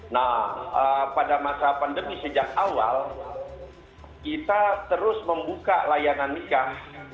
nah pada masa pandemi sejak awal kita terus membuka layanan nikah